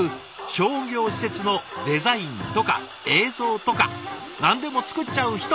商業施設のデザインとか映像とか何でも作っちゃう人！